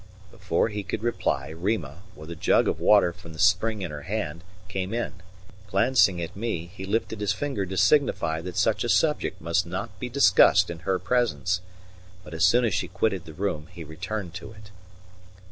Before he could reply Rima, with a jug of water from the spring in her hand, came in; glancing at me, he lifted his finger to signify that such a subject must not be discussed in her presence; but as soon as she quitted the room he returned to it.